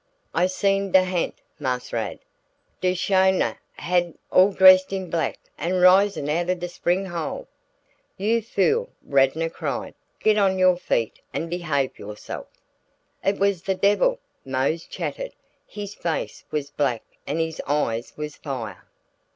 "I's seen de ha'nt, Marse Rad; de sho nuff ha'nt all dressed in black an' risin' outen de spring hole." "You fool!" Radnor cried. "Get on your feet and behave yourself." "It was de debbil," Mose chattered. "His face was black an' his eyes was fire."